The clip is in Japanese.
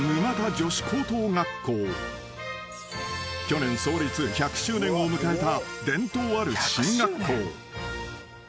［去年創立１００周年を迎えた伝統ある進学校］